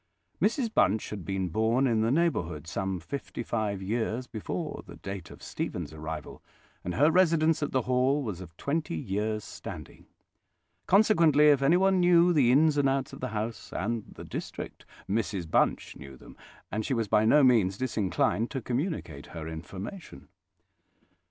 Mrs Bunch had been born in the neighbourhood some fifty five years before the date of Stephen's arrival, and her residence at the Hall was of twenty years' standing. Consequently, if anyone knew the ins and outs of the house and the district, Mrs Bunch knew them; and she was by no means disinclined to communicate her information.